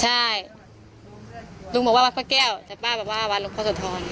ใช่ลุงบอกว่าวัดพระแก้วแต่ป้าแบบว่าวัดหลวงพ่อโสธร